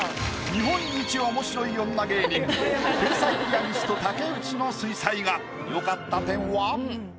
日本一面白い女芸人「天才ピアニスト」竹内の水彩画。